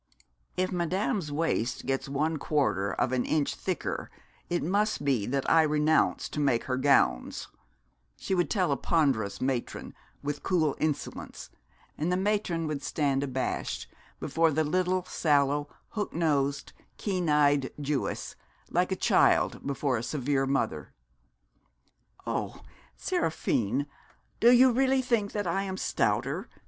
'If Madame's waist gets one quarter of an inch thicker it must be that I renounce to make her gowns,' she would tell a ponderous matron, with cool insolence, and the matron would stand abashed before the little sallow, hooked nosed, keen eyed Jewess, like a child before a severe mother. 'Oh, Seraphine, do you really think that I am stouter?'